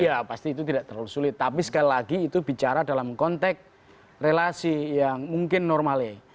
iya pasti itu tidak terlalu sulit tapi sekali lagi itu bicara dalam konteks relasi yang mungkin normalnya